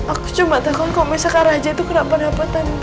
aku cuma takut kalau misalkan raja itu kenapa napa tante